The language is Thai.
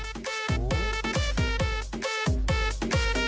กลัวใหญ่มาก